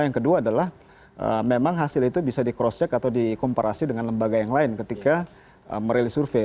yang kedua adalah memang hasil itu bisa di cross check atau dikomparasi dengan lembaga yang lain ketika merilis survei